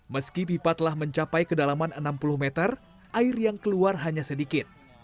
meski pipa telah mencapai kedalaman enam puluh meter air yang keluar hanya sedikit